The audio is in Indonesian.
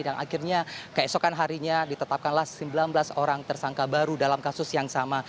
dan akhirnya keesokan harinya ditetapkanlah sembilan belas orang tersangka baru dalam kasus yang sama